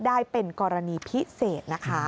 ได้เป็นกรณีพิเศษนะคะ